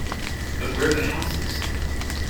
But where are the houses?